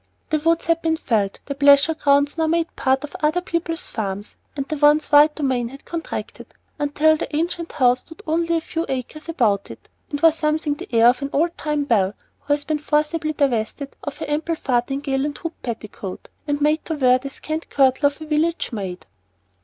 The woods had been felled, the pleasure grounds now made part of other people's farms, and the once wide domain had contracted, until the ancient house stood with only a few acres about it, and wore something the air of an old time belle who has been forcibly divested of her ample farthingale and hooped petticoat, and made to wear the scant kirtle of a village maid.